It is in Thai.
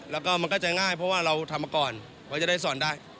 แล้วก็มันก็จะง่ายเพราะว่าเราทำมาก่อนเพราะจะได้สอนได้